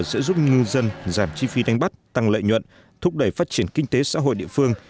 sẽ giúp ngư dân giảm chi phí đánh bắt tăng lợi nhuận thúc đẩy phát triển kinh tế xã hội địa phương